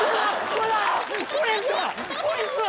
こいつだ！